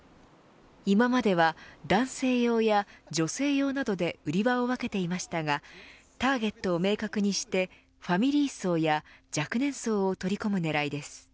今までは男性用や女性用などで売り場を分けていましたがターゲットを明確にしてファミリー層や若年層を取り込む狙いです。